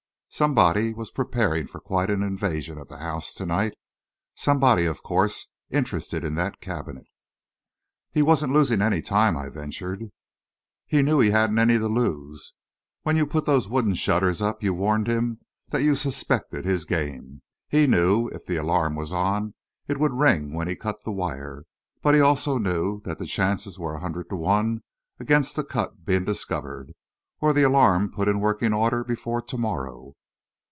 Somebody was preparing for a quiet invasion of the house to night somebody, of course, interested in that cabinet." "He wasn't losing any time," I ventured. "He knew he hadn't any to lose. When you put those wooden shutters up, you warned him that you suspected his game. He knew, if the alarm was on, it would ring when he cut the wire, but he also knew that the chances were a hundred to one against the cut being discovered, or the alarm put in working order, before to morrow."